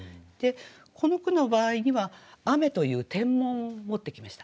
この句の場合には「雨」という天文を持ってきました。